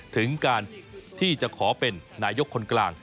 ถึงการที่จะขอเป็นนายกคนกลาง